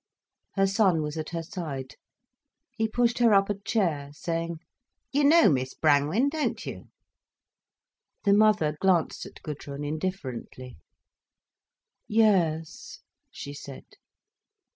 Her son was at her side. He pushed her up a chair, saying "You know Miss Brangwen, don't you?" The mother glanced at Gudrun indifferently. "Yes," she said.